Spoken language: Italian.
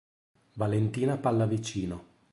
Valentina Pallavicino